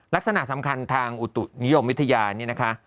ลักษณะสำคัญทางอุตุนิยมวิทยานี่นะคะ